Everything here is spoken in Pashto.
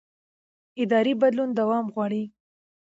اداري بدلون دوام غواړي